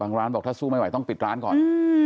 ร้านบอกถ้าสู้ไม่ไหวต้องปิดร้านก่อน